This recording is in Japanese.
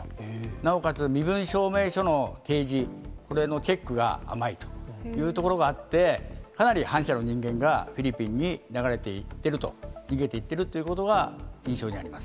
なおかつ、身分証明書の提示、これのチェックが甘いというところがあって、かなり反社の人間がフィリピンに流れていってると、逃げていってるという印象にあります。